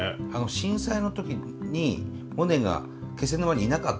震災の時にモネが気仙沼にいなかったと。